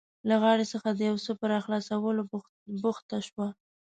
له غاړې څخه د یو څه په راخلاصولو بوخته شوه.